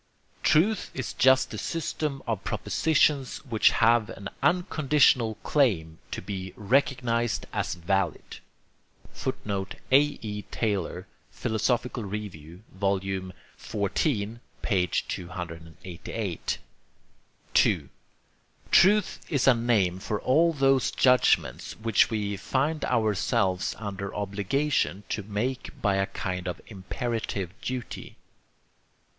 "Truth is just the system of propositions which have an un conditional claim to be recognized as valid." [Footnote: A. E. Taylor, Philosophical Review, vol. xiv, p. 288.] 2. Truth is a name for all those judgments which we find ourselves under obligation to make by a kind of imperative duty.